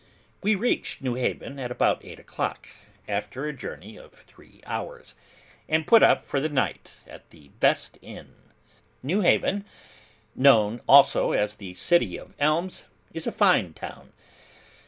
We reached New Haven at about eight o'clock, after a journey of three hours, and put up for the night at the best inn. New Haven, known also as the City of Elms, is a fine town.